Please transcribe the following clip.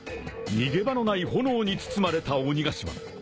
［逃げ場のない炎に包まれた鬼ヶ島］